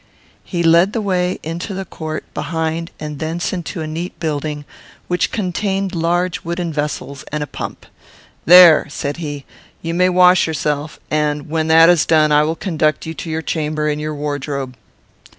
He led the way into the court behind and thence into a neat building, which contained large wooden vessels and a pump: "There," said he, "you may wash yourself; and, when that is done, I will conduct you to your chamber and your wardrobe."